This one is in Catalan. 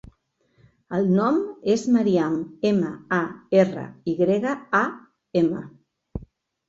El nom és Maryam: ema, a, erra, i grega, a, ema.